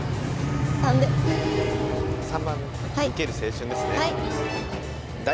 ３番「受ける青春」ですね？